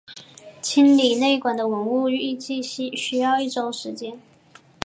清理内棺的文物预计需要一周时间。